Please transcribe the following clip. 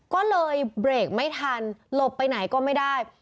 ก็เลยเบรกไม่ทันหลบไปไหนก็ไม่ได้